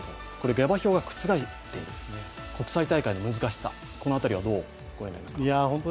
下馬評が覆っている、国際大会の難しさ、この辺りはどうご覧になりますか。